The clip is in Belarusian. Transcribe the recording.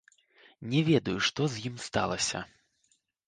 Не ведаю, што з ім сталася.